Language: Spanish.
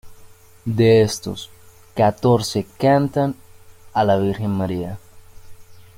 De estos, catorce cantan a la virgen María.